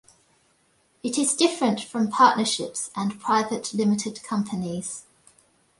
It is different from partnerships and private limited companies.